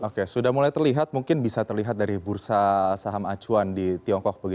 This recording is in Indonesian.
oke sudah mulai terlihat mungkin bisa terlihat dari bursa saham acuan di tiongkok